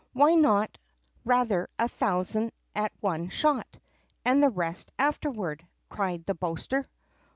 "Why not rather a thousand at one shot, and the rest afterward?" cried the boaster.